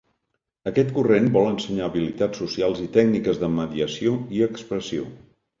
Aquest corrent vol ensenyar habilitats socials i tècniques de mediació i expressió.